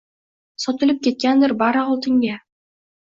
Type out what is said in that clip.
Sotilib ketgandir bari oltinga.